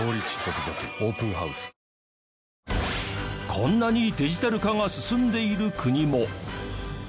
こんなにデジタル化が進んでいる国も。